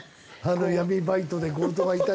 闇バイトで強盗がいたり。